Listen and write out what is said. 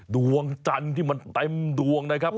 ดวงจันทร์ที่มันเต็มดวงนะครับ